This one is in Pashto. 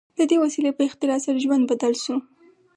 د دې وسیلې په اختراع سره ژوند بدل شو.